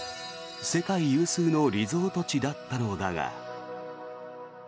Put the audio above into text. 世界有数のリゾート地だったのだが。